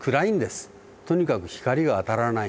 とにかく光が当たらない。